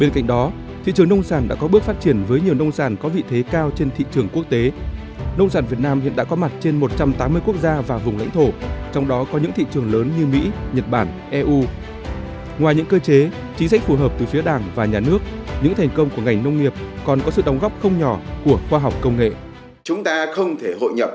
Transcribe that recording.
chúng ta không thể hội nhập mà không coi trọng cái giải pháp khoa học công nghệ